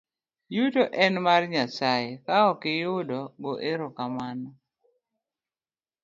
Yuto en mar Nyasaye, ka okiyudo go ero kamano.